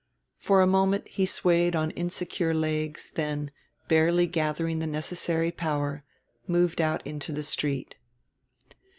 For a moment he swayed on insecure legs, then, barely gathering the necessary power, moved out into the street.